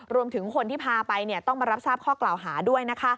รวมถึงคนที่พาไปต้องมารับทราบข้อกล่าวหาด้วย